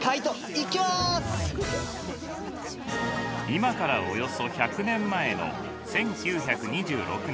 今からおよそ１００年前の１９２６年。